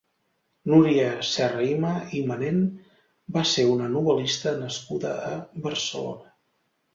Núria Serrahima i Manén va ser una novel·lista nascuda a Barcelona.